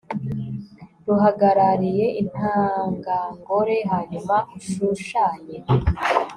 ruhagarariye intangangore hanyuma ushushanye